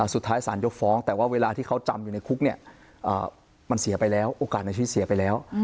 สุดท้ายสารยกฟ้องแต่ว่าเวลาที่เขาจำอยู่ในคุกเนี่ยมันเสียไปแล้วโอกาสในชีวิตเสียไปแล้ว